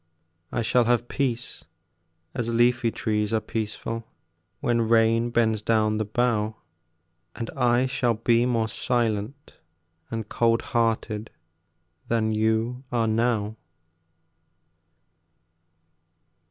I shall have peace, as leafy trees are peaceful When rain bends down the bough, And I shall be more silent and cold hearted Than you are now.